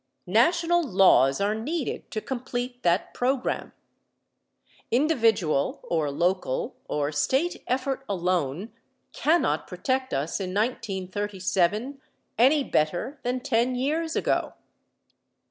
National laws are needed to complete that program. Individual or local or state effort alone cannot protect us in 1937 any better than ten years ago.